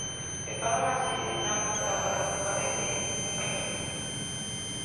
Prepara una serie de trampas elaboradas para ella y sus compañeros.